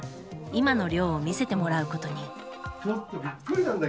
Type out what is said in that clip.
今の寮を見せてもらうことに。